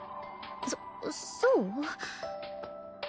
そそう？